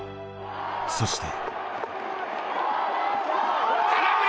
そして。